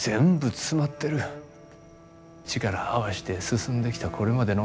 力合わして進んできたこれまでの思い出も。